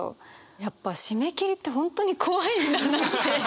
やっぱ締め切りって本当に怖いんだなって。